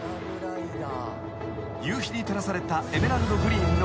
［夕日に照らされたエメラルドグリーンの海］